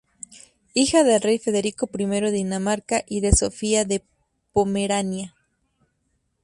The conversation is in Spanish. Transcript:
Hija del rey Federico I de Dinamarca y de Sofía de Pomerania.